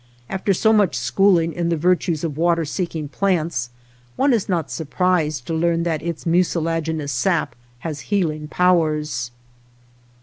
After so much schooling in the virtues of water seeking plants, one is not surprised to learn that its mucilaginous sap has healing powers.